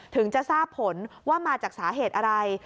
ถึงจะทราบผลว่ามาจากสาเหตุอะไร